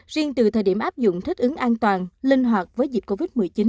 riêng từ thời điểm áp dụng thích ứng an toàn linh hoạt với dịch covid một mươi chín